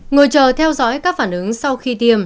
ngồi chờ theo dõi các phản ứng sau khi tiêm